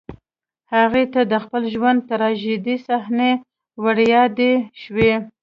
هغې ته د خپل ژوند تراژيدي صحنې وريادې شوې